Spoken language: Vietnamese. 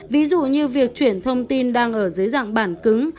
ví dụ như việc chuyển thông tin đang ở dưới dạng bản cứng